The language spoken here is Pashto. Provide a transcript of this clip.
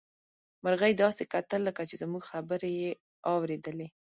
مرغۍ داسې کتل لکه چې زموږ خبرې يې اوريدلې.